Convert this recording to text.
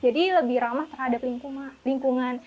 jadi lebih ramah terhadap lingkungan